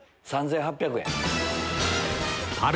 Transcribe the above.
３８００円。